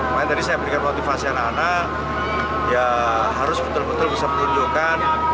makanya tadi saya berikan motivasi anak anak ya harus betul betul bisa menunjukkan